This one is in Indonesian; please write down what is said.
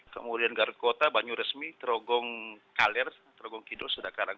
kemudian garukota banyuresmi trogong kalir trogong kidul sudakarang